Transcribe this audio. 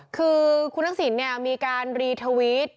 คือคุณทักษิณมีการรีทวิต